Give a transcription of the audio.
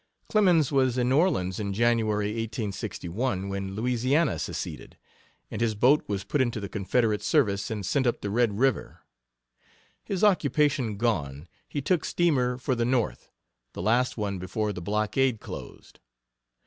Clemens was in New Orleans in January, 1861, when Louisiana seceded, and his boat was put into the Confederate service and sent up the Red River. His occupation gone, he took steamer for the North the last one before the blockade closed.